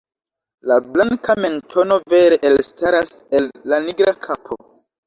La blanka mentono vere elstaras el la nigra kapo.